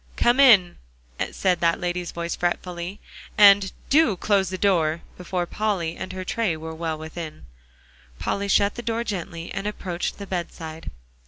"Come in," said that lady's voice fretfully. And "Do close the door," before Polly and her tray were well within. Polly shut the door gently, and approached the bedside.